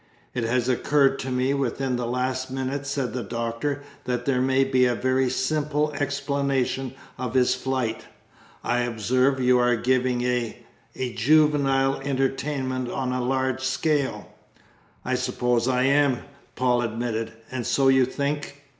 "It has occurred to me within the last minute," said the Doctor, "that there may be a very simple explanation of his flight. I observe you are giving a a juvenile entertainment on a large scale." "I suppose I am," Paul admitted. "And so you think